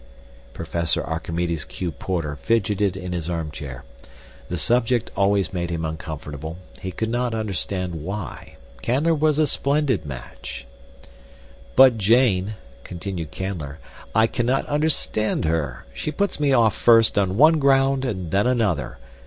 Professor Archimedes Q. Porter fidgeted in his armchair. The subject always made him uncomfortable. He could not understand why. Canler was a splendid match. "But Jane," continued Canler, "I cannot understand her. She puts me off first on one ground and then another.